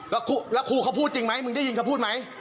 แล้วครูเขาพูดจริงไหมมึงได้ยินเขาพูดไหม